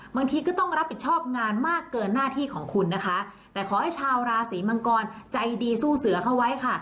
บางทีก็ต้องรับผิดชอบงานมากเกินหน้าที่ของคุณนะคะแต่ขอให้ชาวราศีมังกรใจดีสู้เสือเข้าไว้ค่ะ